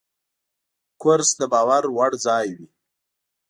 کورس د باور وړ ځای وي.